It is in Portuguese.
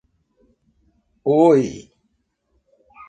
Oi.